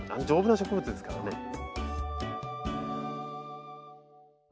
丈夫な植物ですからね。